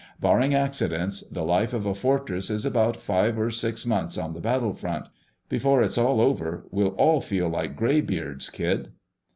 Barring accidents, the life of a fortress is about five or six months on the battlefront. Before it's over we'll all feel like graybeards, kid."